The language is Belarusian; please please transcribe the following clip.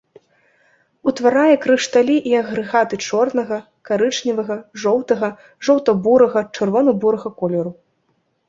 Утварае крышталі і агрэгаты чорнага, карычневага, жоўтага, жоўта-бурага, чырвона-бурага колеру.